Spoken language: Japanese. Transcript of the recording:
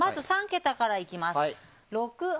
３桁からいきます。